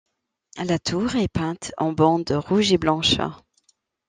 La tour est peinte en bandes rouges et blanches.